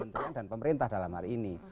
kementerian dan pemerintah dalam hari ini